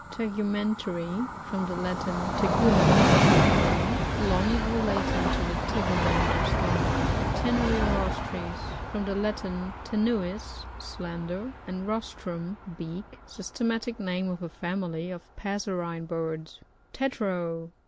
TiouMKNTARY.— From the Latin, teg* umen^ a covering^. Belonging or relating to the tegument or skin. Tbnuirohtrrs. — From the Latin, leu tits, slender, and roslrum, beak. Systematic name of a family of passerine birds. Tetrao.